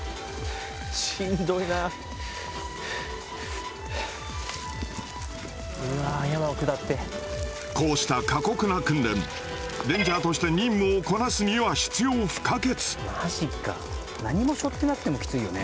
しんどいなはあはあうわ山を下ってこうした過酷な訓練レンジャーとして任務をこなすには必要不可欠マジか何も背負ってなくてもきついよね